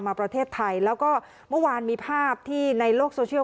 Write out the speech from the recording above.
ประเทศไทยแล้วก็เมื่อวานมีภาพที่ในโลกโซเชียล